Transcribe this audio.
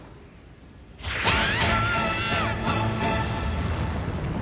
ああ！